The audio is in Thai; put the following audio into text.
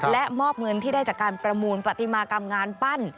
และมอบเงินที่ได้จากการประมูลปฏิมากรรมงานปั้น